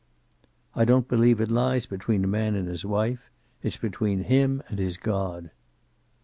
"I don't believe it lies between a man and his wife. It's between him and his God."